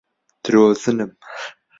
درۆزنم.